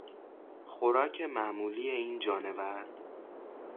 خوراک معمولی این جانور